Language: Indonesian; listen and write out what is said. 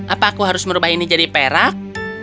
apa aku harus merubah ini jadi perak